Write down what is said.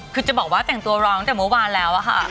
คือจะบอกว่าแต่งตัวรองตั้งแต่เมื่อวานแล้วอะค่ะ